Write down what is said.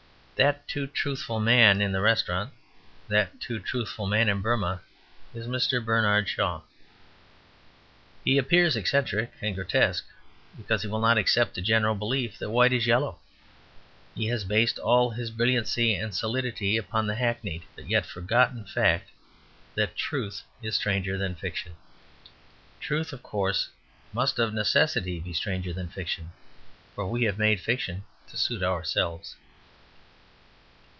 That too truthful man in the restaurant; that too truthful man in Burmah, is Mr. Bernard Shaw. He appears eccentric and grotesque because he will not accept the general belief that white is yellow. He has based all his brilliancy and solidity upon the hackneyed, but yet forgotten, fact that truth is stranger than fiction. Truth, of course, must of necessity be stranger than fiction, for we have made fiction to suit ourselves.